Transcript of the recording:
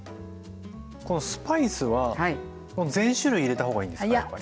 このスパイスはこの全種類入れた方がいいんですかやっぱり。